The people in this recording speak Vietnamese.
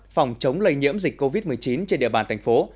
phòng chống lây nhiễm dịch covid một mươi chín trên địa bàn thành phố